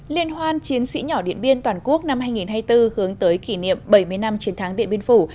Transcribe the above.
liên hoan chiến sĩ nhỏ điện biên toàn quốc năm hai nghìn hai mươi bốn hướng tới kỷ niệm bảy mươi năm chiến thắng điện biên phủ